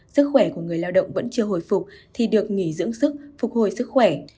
sức khỏe của người lao động vẫn chưa hồi phục thì được nghỉ dưỡng sức phục hồi sức khỏe